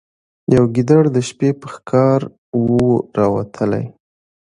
یو ګیدړ د شپې په ښکار وو راوتلی